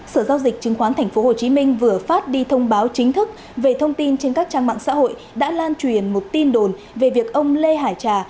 sở giao dịch chứng khoán tp hcm vừa phát đi thông báo chính thức về thông tin trên các trang mạng xã hội đã lan truyền một tin đồn về việc ông lê hải trà